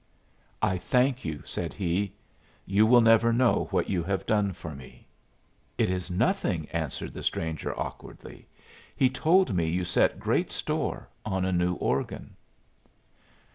"I thank you," said he. "You will never know what you have done for me." "It is nothing," answered the stranger, awkwardly. "He told me you set great store on a new organ."